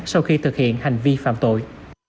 sau khi thực hiện hành vi phạm tội